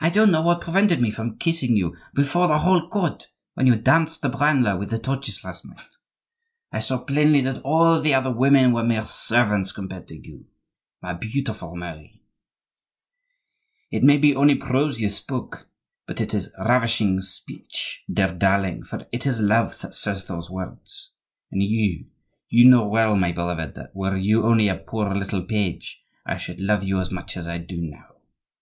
"I don't know what prevented me from kissing you before the whole court when you danced the branle with the torches last night! I saw plainly that all the other women were mere servants compared to you, my beautiful Mary." "It may be only prose you speak, but it is ravishing speech, dear darling, for it is love that says those words. And you—you know well, my beloved, that were you only a poor little page, I should love you as much as I do now.